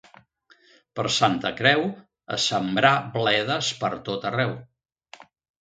Per Santa Creu, a sembrar bledes per tot arreu.